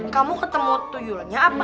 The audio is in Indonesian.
kamu ketemu tuyulannya apa